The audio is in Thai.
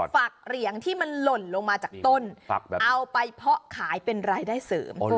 ฝักเหรียงที่มันหล่นลงมาจากต้นเอาไปเพาะขายเป็นรายได้เสริม